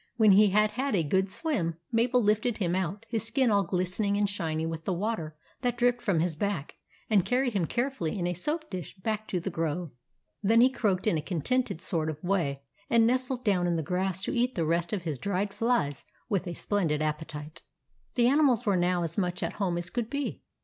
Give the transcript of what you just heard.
When he had had a good swim, Mabel lifted him out, his skin all glistening and shiny with the water that dripped from his back, and carried him carefully in a soap dish back to the grove. Then he croaked in a contented sort of way, and nestled down in the grass to eat the rest of his dried flies with a splendid appetite. The animals were now as much at home as could be.